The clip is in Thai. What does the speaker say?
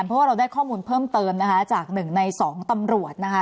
เพราะว่าเราได้ข้อมูลเพิ่มเติมนะคะจาก๑ใน๒ตำรวจนะคะ